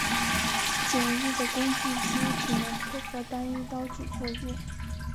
简易的工具机只能配合单一刀具作业。